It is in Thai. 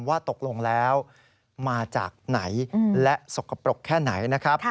ว่าตกลงแล้วมาจากไหนและสกปรกแค่ไหนนะครับ